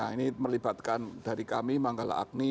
ini melibatkan dari kami manggala agni